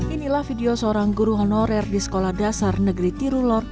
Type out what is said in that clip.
inilah video seorang guru honorer di sekolah dasar negeri tirulor